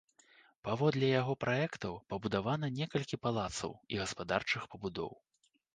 Паводле яго праектаў пабудавана некалькі палацаў і гаспадарчых пабудоў.